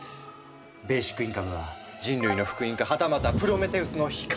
ベーシックインカムは人類の福音かはたまたプロメテウスの火か。